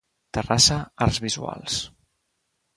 Terrassa Arts Visuals.